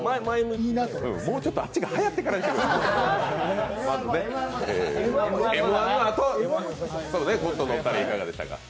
もうちょっとあっちがはやってからにしてください。